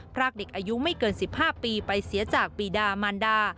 รากเด็กอายุไม่เกิน๑๕ปีไปเสียจากปีดามันดา